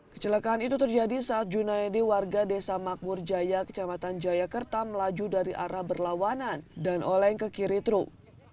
kecelakaan itu terjadi saat junaidi warga desa makmur jaya kecamatan jaya kerta melaju dari arah berlawanan dan oleng ke kiri truk